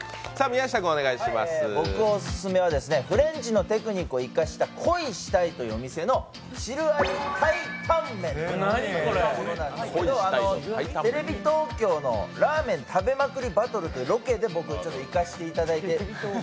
僕、オススメはフレンチのテクニックを生かした恋し鯛というお店の恋し鯛というお店の汁あり鯛担麺というものなんですけどテレビ東京の「ラーメン食べまくりバトル」という番組で僕、行かせていただいて。